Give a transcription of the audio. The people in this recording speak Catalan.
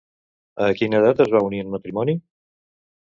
A quina edat es va unir en matrimoni?